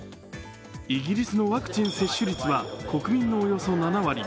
イギリスのワクチン接種率は国民のおよそ７割。